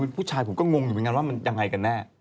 พูดชายผมก็งงอยู่ว่าอย่างไรกันแน่